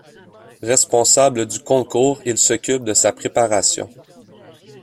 Responsable du concours, il s'occupe de sa préparation.